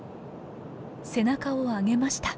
背中を上げました。